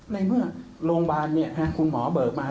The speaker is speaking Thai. ในเมื่อโรงพยาบาลคุณหมอเบิกมา